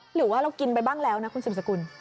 หรือว่าเรากินไปบ้างแล้วนะคุณสืบสกุล